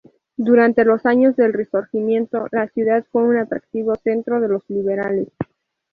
Durante los años del Risorgimento, la ciudad fue un activo centro de los liberales.